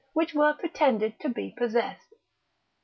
which were pretended to be possessed.